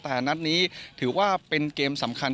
แต่นัดนี้ถือว่าเป็นเกมสำคัญ